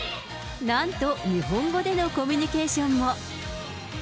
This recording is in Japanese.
なんと、日本語でのコミュニケーションも。